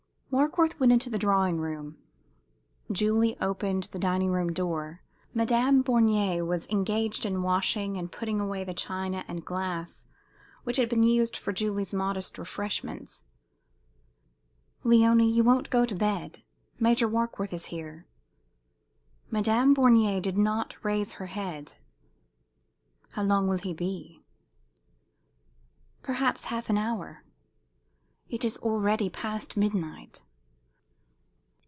Warkworth went into the drawing room. Julie opened the dining room door. Madame Bornier was engaged in washing and putting away the china and glass which had been used for Julie's modest refreshments. "Léonie, you won't go to bed? Major Warkworth is here." Madame Bornier did not raise her head. "How long will he be?" "Perhaps half an hour." "It is already past midnight."